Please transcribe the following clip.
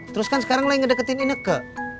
teruskan sekarang lagi ngedeketin ineke